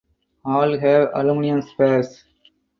All have aluminum spars.